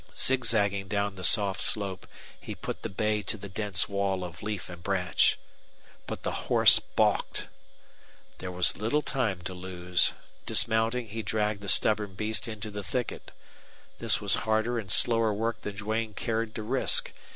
Zigzagging down the soft slope, he put the bay to the dense wall of leaf and branch. But the horse balked. There was little time to lose. Dismounting, he dragged the stubborn beast into the thicket. This was harder and slower work than Duane cared to risk.